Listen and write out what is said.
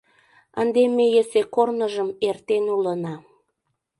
Ынде ме йӧсӧ корныжым эртен улына.